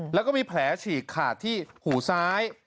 แล้วก็มีแผลฉีกขาดที่หูซ้าย